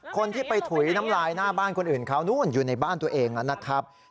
คนที่ไปถุยน้ำลายหน้าบ้านคนอื่นเขานู่นอยู่ในบ้านตัวเองนะครับ